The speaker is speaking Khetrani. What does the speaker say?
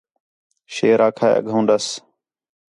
شیر آکھا ہِِے اڳّوں ݙَس